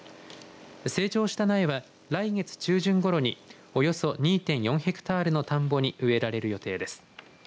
成長した苗は、来月中旬ごろにおよそ２．４ヘクタールの田んぼに植えられる予定です。